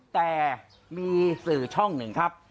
แต่มีสื่อช่องหนึ่งครับ